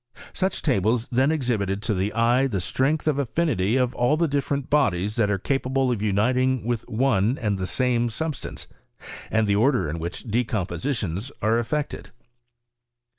Such tables then exhibited to the eye the strength of affinity of all the different bodies that are ca pable of uniting with one and the same substance, and the order in which decompositions are effected.